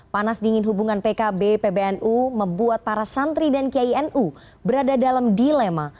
panas dingin hubungan pkb pbnu membuat para santri dan kiai nu berada dalam dilema